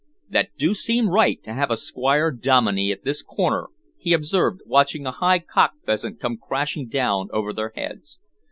"That do seem right to have a Squire Dominey at this corner," he observed, watching a high cock pheasant come crashing down over their heads.